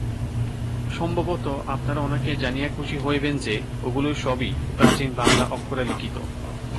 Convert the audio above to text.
সম্ভবত আপনারা অনেকেই জানিয়া সুখী হইবেন যে, ঐগুলি সবই প্রাচীন বাঙলা অক্ষরে লিখিত।